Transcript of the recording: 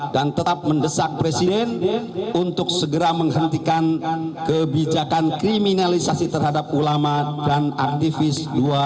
dan tetap mendesak presiden untuk segera menghentikan kebijakan kriminalisasi terhadap ulama dan aktivis dua ratus dua belas